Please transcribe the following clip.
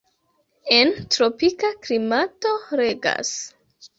En tropika klimato regas.